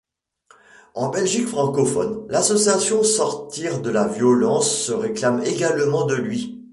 En Belgique francophone, l'association Sortir de la violence se réclame également de lui.